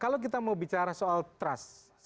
kalau kita mau bicara soal trust